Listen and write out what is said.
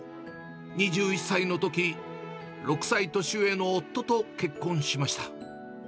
２１歳のとき、６歳年上の夫と結婚しました。